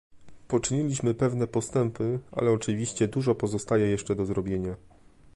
Poczyniliśmy pewne postępy, ale oczywiście dużo pozostaje jeszcze do zrobienia